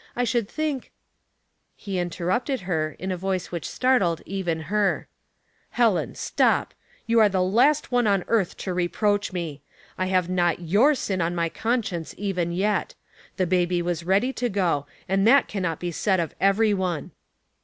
I should think —" He interrupted her, in a voice which startled even her. " Helen, stop I You are the last one on G od's Mystery of Grace, 325 earth to reproach me. I have not your sin on my conscience even yet. The baby was ready to go, and that can not be said of every one."